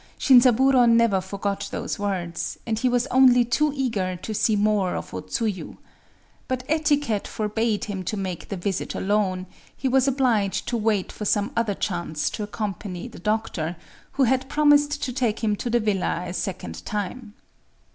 _" Shinzaburō never forgot those words; and he was only too eager to see more of O Tsuyu. But etiquette forbade him to make the visit alone: he was obliged to wait for some other chance to accompany the doctor, who had promised to take him to the villa a second time.